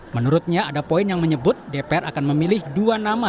menurutnya ada poin yang menyebut dpr akan memilih dua nama